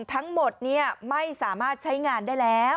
ทั้งหมดไม่สามารถใช้งานได้แล้ว